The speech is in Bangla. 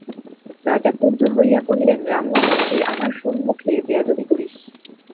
রাজা ক্রুদ্ধ হইয়া কহিলেন, রামমোহন, তুই আমার সম্মুখে বেয়াদবি করিস!